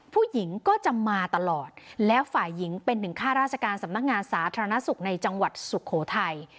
ผู้หญิงก็จะมาตลอดแล้วฝ่ายหญิงเป็นหนึ่งข้าราชการสำนักงานสาธารณสุขในจังหวัดสุโขทัย